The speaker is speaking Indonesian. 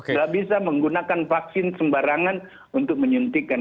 tidak bisa menggunakan vaksin sembarangan untuk menyuntikan